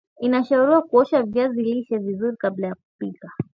inashauriwa kuosha viazi lishe vizuri kabla ya kupika